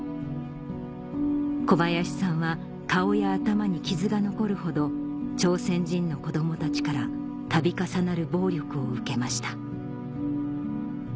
小林さんは顔や頭に傷が残るほど朝鮮人の子供たちから度重なる暴力を受けました